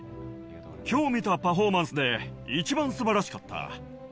今日見たパフォーマンスで一番素晴らしかった。